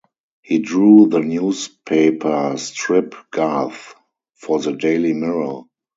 He drew the newspaper strip "Garth" for the "Daily Mirror".